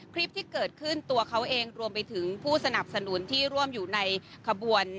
คลิปที่เกิดขึ้นตัวเขาเองรวมไปถึงผู้สนับสนุนที่ร่วมอยู่ในขบวน